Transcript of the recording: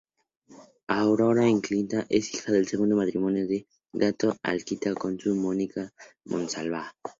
Aurora Alquinta es hija del segundo matrimonio de Gato Alquinta, con Mónica Monsalve.